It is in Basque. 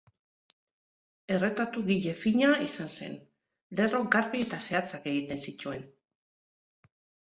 Erretratugile fina izan zen, lerro garbi eta zehatzak egiten zituen.